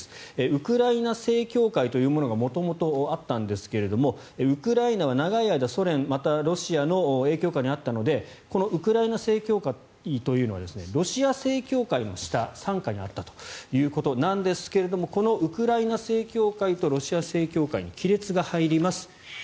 ウクライナ正教会というものが元々あったんですがウクライナは長い間ソ連またはロシアの影響下にあったのでこのウクライナ正教会というのはロシア正教会の下、傘下にあったということなんですがこのウクライナ正教会とロシア正教会に亀裂が入ります。